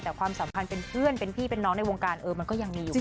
แต่ความสัมพันธ์เป็นเพื่อนเป็นพี่เป็นน้องในวงการเออมันก็ยังมีอยู่